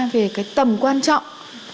về cái tầm quan trọng